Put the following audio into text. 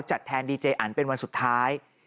แทนดีเจอันเป็นวันสุดท้าย